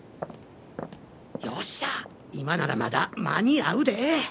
よっしゃ今ならまだ間に合うで